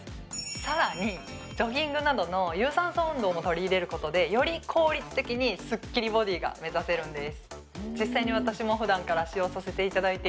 さらにジョギングなどの有酸素運動も取り入れることでより効率的にスッキリボディが目指せるんです